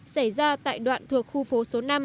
xảy ra tại đoạn thuộc khu phố số năm